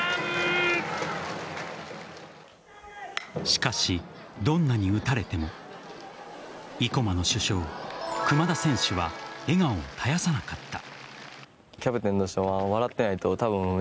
しかし、どんなに打たれても生駒の主将・熊田選手は笑顔を絶やさなかった。